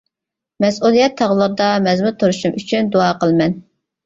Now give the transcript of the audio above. مەسئۇلىيەت تاغلىرىدا مەزمۇت تۇرۇشۇم ئۈچۈن دۇئا قىلىمەن.